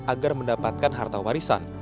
agar mendapatkan harta warisan